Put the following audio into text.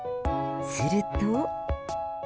すると。